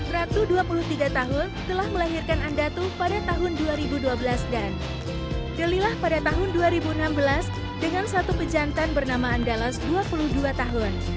ratu dua puluh tiga tahun telah melahirkan andatu pada tahun dua ribu dua belas dan pilihlah pada tahun dua ribu enam belas dengan satu pejantan bernama andalas dua puluh dua tahun